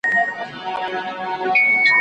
په احتیاط ډریوري مو کامیابي دی.